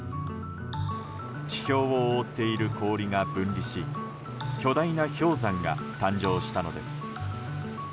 地表を覆っている氷が分離し巨大な氷山が誕生したのです。